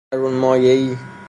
درون مایه ای